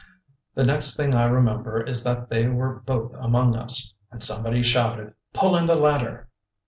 The next thing I remember is that they were both among us, and somebody shouted, "Pull in the ladder."